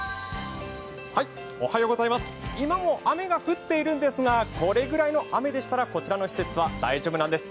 今も雨が降っているんですが、これぐらいの雨でしたらこちらの施設は大丈夫なんです。